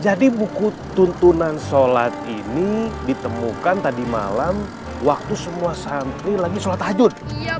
jadi buku tuntunan sholat ini ditemukan tadi malam waktu semua santri lagi sholat hajud